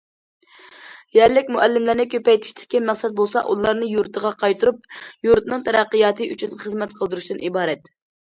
يەرلىك مۇئەللىملەرنى كۆپەيتىشتىكى مەقسەت بولسا ئۇلارنى يۇرتىغا قايتۇرۇپ، يۇرتىنىڭ تەرەققىياتى ئۈچۈن خىزمەت قىلدۇرۇشتىن ئىبارەت.